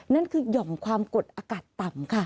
นั่นคือหย่อมความกดอากาศต่ำค่ะ